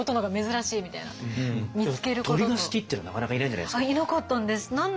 鳥が好きっていうのはなかなかいないんじゃないですか。